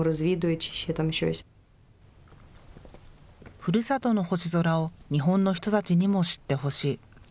ふるさとの星空を日本の人たちにも知ってほしい。